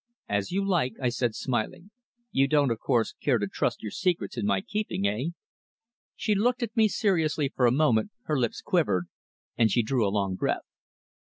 "As you like," I said, smiling. "You don't, of course, care to trust your secrets in my keeping eh?" She looked at me seriously for a moment, her lips quivered, and she drew a long breath.